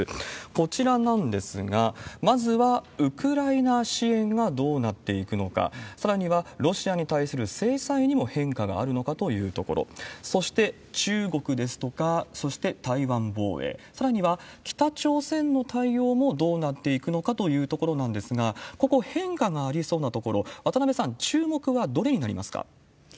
こちらなんですが、まずはウクライナ支援がどうなっていくのか、さらにはロシアに対する制裁にも変化があるのかというところ、そして、中国ですとか、そして台湾防衛、さらには、北朝鮮の対応もどうなっていくのかというところなんですが、ここ、変化がありそうなところ、渡辺さん、注目はどれになりますか？